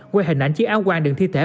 quay hình ảnh chiếc áo quang đường thi thể